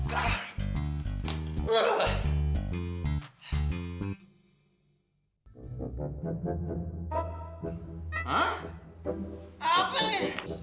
hah apa ini